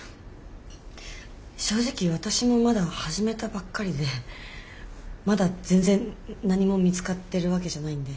正直私もまだ始めたばっかりでまだ全然何も見つかってるわけじゃないんで。